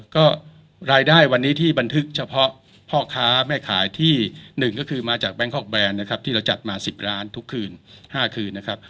ก็รายได้วันนี้ที่บันทึกเฉพาะพ่อค้าแม่ขายที่๑ก็คือมาจากแบงคอกแรนด์นะครับที่เราจัดมา๑๐ล้านทุกคืน๕คืนนะครับ